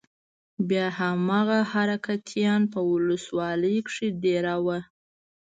بيا هماغه حرکتيان په ولسوالۍ کښې دېره وو.